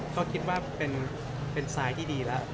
ก็คิดว่าเป็นทรายที่ดีแล้ว